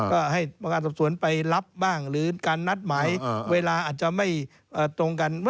ก็ให้ประการสอบสวนไปรับบ้างหรือการนัดหมายเวลาอาจจะไม่ตรงกัน